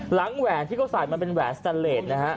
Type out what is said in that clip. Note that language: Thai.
แหวนที่เขาใส่มันเป็นแหวนสแตนเลสนะฮะ